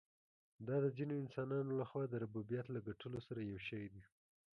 دا د ځینو انسانانو له خوا د ربوبیت له ګټلو سره یو شی دی.